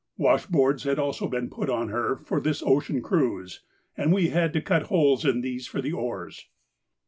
Wash boards had also been put on her for this ocean cruise, and we had had to cut holes in these for the oars.